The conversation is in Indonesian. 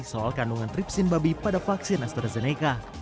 soal kandungan tripsin babi pada vaksin astrazeneca